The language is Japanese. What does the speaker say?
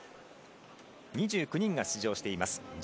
２９人が出場しています。